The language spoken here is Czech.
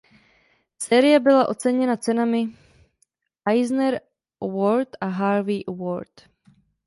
Série byla oceněna cenami Eisner Award a Harvey Award.